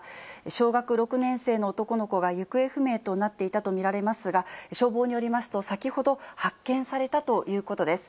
小学６年生の男の子が行方不明となっていたと見られますが、消防によりますと、先ほど発見されたということです。